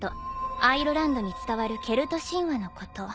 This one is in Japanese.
アイルランドに伝わるケルト神話のこと。